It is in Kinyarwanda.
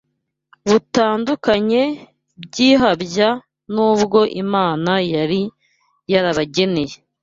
butandukanye by’ihabya n’ubwo Imana yari yarabageneye